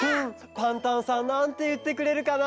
パンタンさんなんていってくれるかな？